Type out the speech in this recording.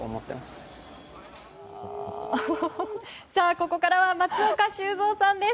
ここからは松岡修造さんです。